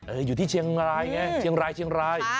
อยู่ที่เชียงรายไงเชียงรายเชียงราย